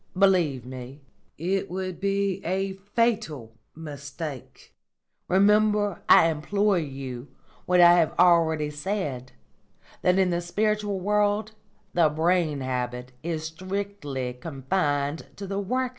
Believe me, it would be a fatal mistake. Remember, I implore you, what I have already said: that, in the spiritual world, the brain habit is strictly confined to the working class."